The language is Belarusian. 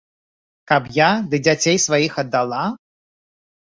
Каб я ды дзяцей сваіх аддала?